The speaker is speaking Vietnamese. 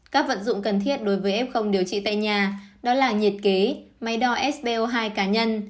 các vận dụng cần thiết đối với f điều trị tại nhà đó là nhiệt kế máy đo sbo hai cá nhân